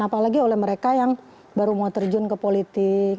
apalagi oleh mereka yang baru mau terjun ke politik